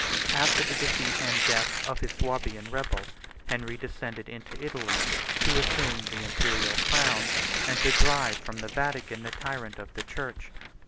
After the defeat and death of his Swabian rebel, Henry descended into Italy, to assume the Imperial crown, and to drive from the Vatican the tyrant of the church.